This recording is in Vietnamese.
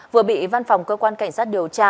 vừa bị văn phòng cơ quan cảnh sát điều tra